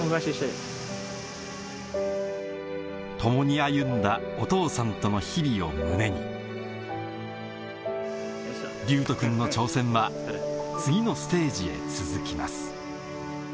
共に歩んだお父さんとの日々を胸に琉斗くんの挑戦は次のステージへ続きます